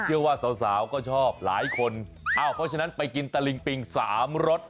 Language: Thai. เชื่อว่าสาวสาวก็ชอบหลายคนอ้าวเพราะฉะนั้นไปกินตะลิงปิงสามรส